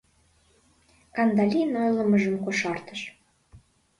— Кандалин ойлымыжым кошартыш.